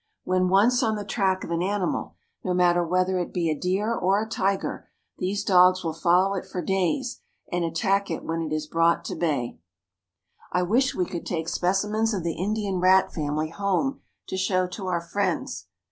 When once on the track of an animal, no mat ter whether it be a deer or a tiger, these dogs will follow it for days and attack it when it is brought to bay. THE WILD ANIMALS OF INDIA 243 I wish we could take specimens of the Indian rat family home to show to our friends.